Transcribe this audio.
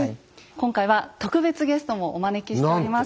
今回は特別ゲストもお招きしております。